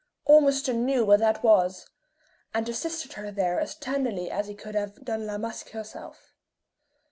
Ormiston knew where that was, and assisted her there as tenderly as he could have done La Masque herself.